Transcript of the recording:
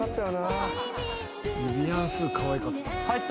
ビビアン・スーかわいかった。